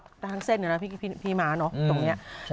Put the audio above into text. ตั้งทั้งเส้นเห็นไหมพี่พี่พี่พี่มาเนอะตรงเนี้ยใช่